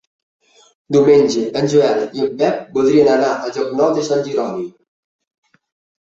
Diumenge en Joel i en Pep voldrien anar a Llocnou de Sant Jeroni.